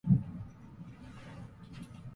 自分の名前が嫌いだった